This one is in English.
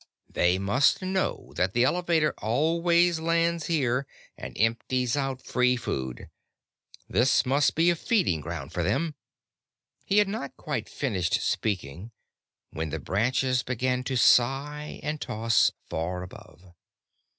They must know that the Elevator always lands here and empties out free food. This must be a feeding ground for them " He had not quite finished speaking when the branches began to sigh and toss, far above.